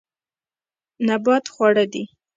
نبات خواړه دي.